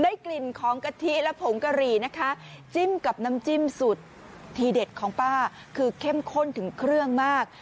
กลิ่นของกะทิและผงกะหรี่นะคะจิ้มกับน้ำจิ้มสุดทีเด็ดของป้าคือเข้มข้นถึงเครื่องมาก